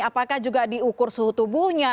apakah juga diukur suhu tubuhnya